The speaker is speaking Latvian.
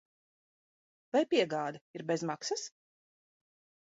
Vai piegāde ir bez maksas?